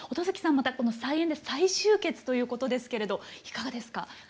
またこの再演で再集結ということですけれどいかがですか？